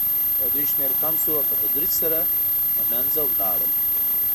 د دوی شمېر کم شو او په تدریج سره له منځه لاړل.